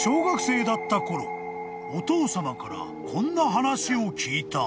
［お父さまからこんな話を聞いた］